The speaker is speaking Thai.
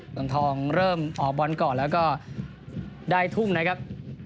เมืองทองเริ่มออกบอลก่อนแล้วก็ได้ทุ่มนะครับ